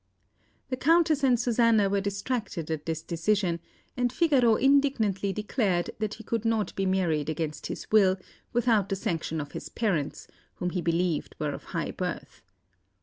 The Countess and Susanna were distracted at this decision, and Figaro indignantly declared that he could not be married against his will without the sanction of his parents, whom he believed were of high birth.